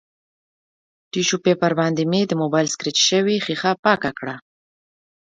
ټیشو پیپر باندې مې د مبایل سکریچ شوې ښیښه پاکه کړه